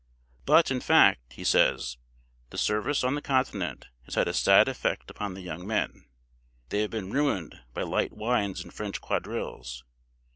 But, in fact, he says, the service on the continent has had a sad effect upon the young men; they have been ruined by light wines and French quadrilles.